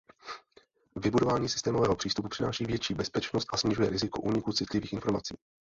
Vybudování systémového přístupu přináší větší bezpečnost a snižuje riziko úniku citlivých informací.